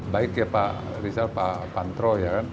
baik ya pak rizal pak pantro ya kan